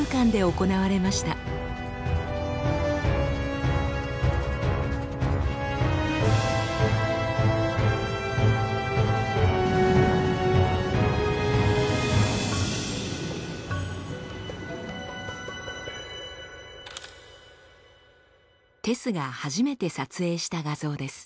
ＴＥＳＳが初めて撮影した画像です。